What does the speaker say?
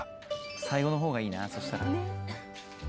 最後の方がいいなそしたら。